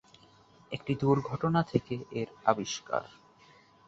একটি দুর্ঘটনা থেকে এর আবিষ্কার।